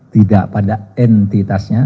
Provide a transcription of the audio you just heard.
tidak pada entitasnya